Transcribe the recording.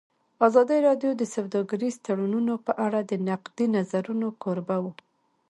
ازادي راډیو د سوداګریز تړونونه په اړه د نقدي نظرونو کوربه وه.